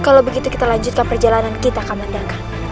kalau begitu kita lanjutkan perjalanan kita kamandaka